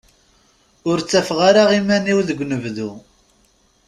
Ur ttafeɣ ara iman-iw deg unebdu.